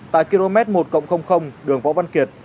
tại km một đường võ văn kiệt